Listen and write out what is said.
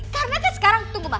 karena kan sekarang tunggu ma